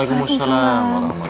udah masuknaires apas ang gak sampai